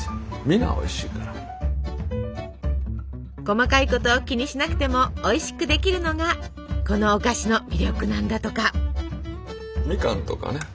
細かいことを気にしなくてもおいしくできるのがこのお菓子の魅力なんだとか。